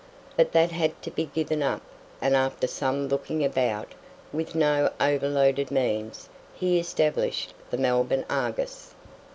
But that had to be given up, and after some looking about, with not overloaded means, he established the Melbourne "Argus".